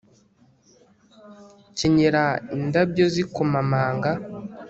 kenyera indabyo z'ikomamanga